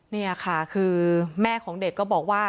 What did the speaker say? นี่ค่ะคือแม่ของเด็กก็บอกว่า